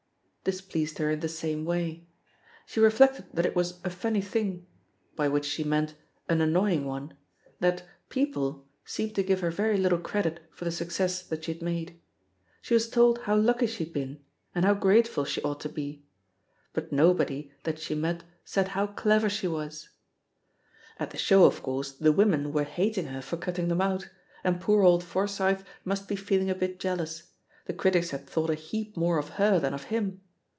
displeased her in the same way. She reflected that it was "a f uimy tiling," by which she meant "an annoying one," that "people" seemed to give her very little credit for the success that she had made ; she was told how lucky she had been, and how grateful she ought to be, but nobody that she THE POSITION OP PEGGY HARPER »69 met said how clever she was I At the show, of course, the women were hating her for cutting them out; and poor old Forsyth must be feeling a bit jealous — ^the critics had thought a heap more of her than of him!